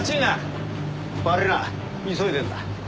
悪ぃな急いでんだ。